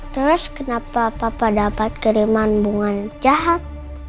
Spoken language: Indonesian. terus kenapa papa dapat kiriman bunga jahat